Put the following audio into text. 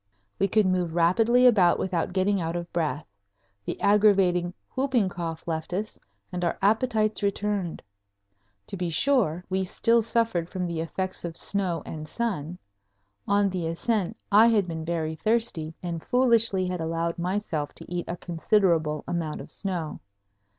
We could move rapidly about without getting out of breath; the aggravating "whooping cough" left us; and our appetites returned. To be sure, we still suffered from the effects of snow and sun. On the ascent I had been very thirsty and foolishly had allowed myself to eat a considerable amount of snow.